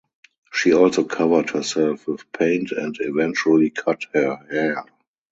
She also covered herself with paint and eventually cut her hair.